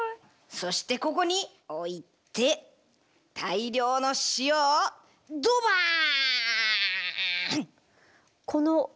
そしてここに置いて大量の塩をドバーン！